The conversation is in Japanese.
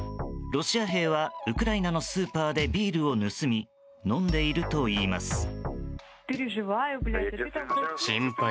ロシア兵はウクライナのスーパーでビールを盗み飲んでいるといいます。